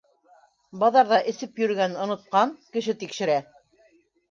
Баҙарҙа эсеп йөрөгәнен онотҡан, кеше тикшерә!